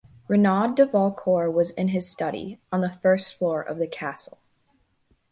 RENAUD de Valcor was in his study, on the first floor of the castle.